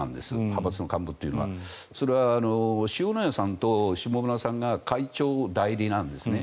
派閥の幹部というのはそれは塩谷さんと下村さんが会長代理なんですね。